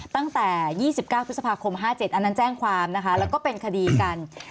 ตั้งแต่๒๙พฤษภาคม๕๗อันนั้นแจ้งความนะคะแล้วก็เป็นคดีกัน